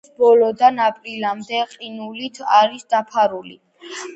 ნოემბრის ბოლოდან აპრილამდე ყინულით არის დაფარული.